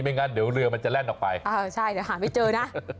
งั้นเดี๋ยวเรือมันจะแล่นออกไปเออใช่เดี๋ยวหาไม่เจอนะ